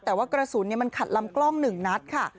แต่ว่ากระสุนมันขัดลำกล้อง๑นัดค่ะ